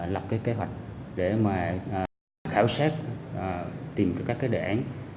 lập kế hoạch để khảo sát tìm được các đề án